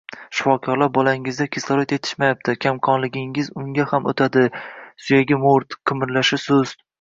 Shifokorlar bolangizga kislorod etishmayapti, kamqonligingiz unga ham o`tadi, suyagi mo`rt, qimirlashi sust